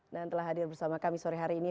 dan telah hadir bersama kami sore hari ini